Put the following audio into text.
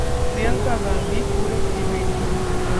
प्रियंका गांधी-पूरब की बेटी